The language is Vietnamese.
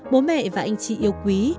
bố mẹ và anh chị yêu quý